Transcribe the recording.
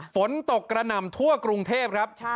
ฝนตกกระหน่ำทั่วกรุงเทพครับ